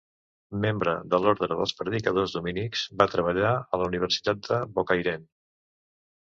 Membre de l'Orde dels Predicadors, dominics, va treballar a la Universitat de Bocairent.